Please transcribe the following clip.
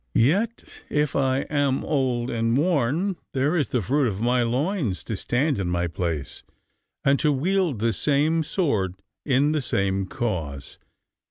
Yet, if I am old and worn, there is the fruit of my loins to stand in my place and to wield the same sword in the same cause.